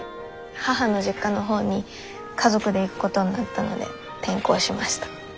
母の実家の方に家族で行くことになったので転校しました。